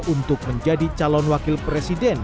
untuk menjadi calon wakil presiden